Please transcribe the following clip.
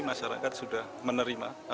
masyarakat sudah menerima